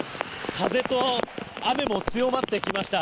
風と雨も強まってきました。